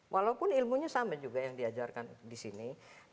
walaupun ilmunya sama juga yang diajarkan di sini